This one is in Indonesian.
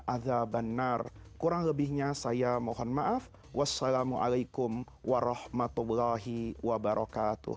aza ban kurang lebihnya saya mohon maaf wassalamualaikum warahmatullahi wabarakatuh